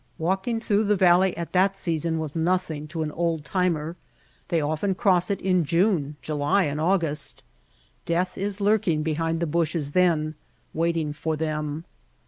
Walking through the valley at that season was nothing to an old timer. They often cross it White Heart of Mojave in June, July and August. Death is lurking behind the bushes then, waiting for them.